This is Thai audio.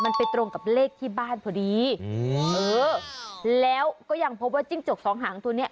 มันไปตรงกับเลขที่บ้านพอดีอืมเออแล้วก็ยังพบว่าจิ้งจกสองหางตัวเนี้ย